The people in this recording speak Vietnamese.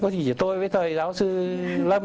chỉ có tôi với thầy giáo sư lâm